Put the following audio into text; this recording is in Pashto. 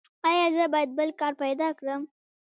ایا زه باید بل کار پیدا کړم؟